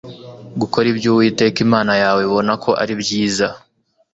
gukora ibyo Uwiteka Imana yawe ibona ko ari byiza